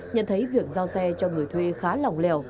nhận thấy việc giao xe cho người thuê khá lòng lèo